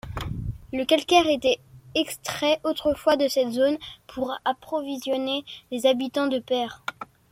Le calcaire était extrait autrefois de cette zone pour approvisionner les habitants de Perth.